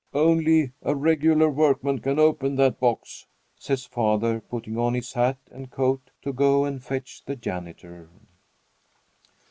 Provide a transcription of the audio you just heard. Only a regular workman can open that box," says father, putting on his hat and coat to go and fetch the janitor.